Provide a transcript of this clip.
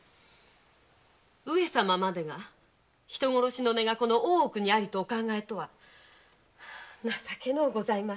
上様までが人殺しの根がこの大奥にありとお考えとは情けのうございます。